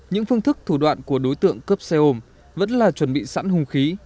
những phương thức thủ đoạn của đối tượng cướp xe ôm vẫn là chuẩn bị sẵn hùng khí